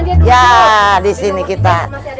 nah yaa disini kita